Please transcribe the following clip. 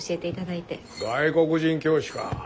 外国人教師か。